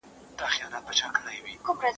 چور دئ که حساب؟